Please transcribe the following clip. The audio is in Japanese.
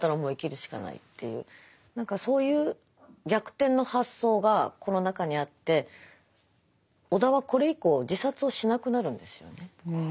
何かそういう逆転の発想がこの中にあって尾田はこれ以降自殺をしなくなるんですよね。